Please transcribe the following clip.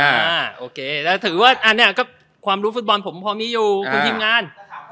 โอเคแล้วถือว่าอันนี้ก็ความรู้ฟุตบอลผมพอมีอยู่คุณทีมงาน